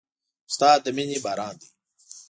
استاد د مینې باران دی.